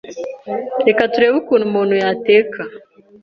Reka turebe ukuntu umuntu yateka